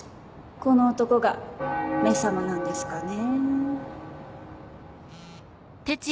この男が「め様」なんですかね？